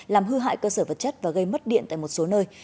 làm hư hại cơ sở vật chất và gây mất điện tại một số nơi